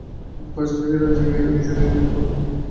পাশাপাশি, এ রাজ্যের মেয়েরা নিজেরাই নিজেদের ভাগ্য গড়বে।